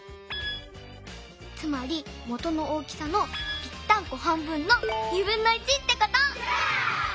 つまりもとの大きさのぴったんこ半分のってこと！